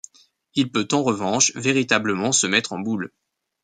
Il peut en revanche véritablement se mettre en boule.